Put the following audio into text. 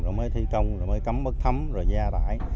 rồi mới thi công rồi mới cấm mất thấm rồi gia tải